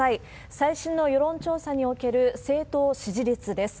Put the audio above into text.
最新の世論調査における政党支持率です。